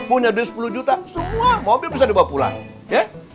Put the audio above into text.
punya dari sepuluh juta semua mobil bisa dibawa pulang